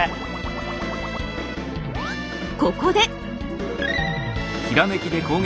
ここで！